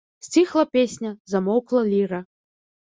Сціхла песня, замоўкла ліра.